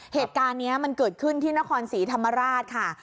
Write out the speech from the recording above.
เหตุการณ์นี้มันเกิดขึ้นที่นครศรีธรรมราชค่ะ